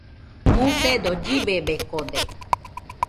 Musedo llibebekode